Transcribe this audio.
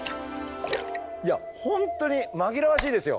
いや本当に紛らわしいですよ。